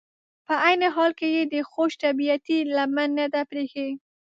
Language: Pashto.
په عین حال کې یې د خوش طبعیتي لمن نه ده پرېښي.